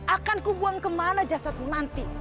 akan kubuang kemana jasadmu nanti